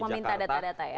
untuk meminta data data ya